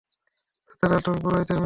আচ্ছা, তাহলে তুমি পুরোহিতের মেয়ে?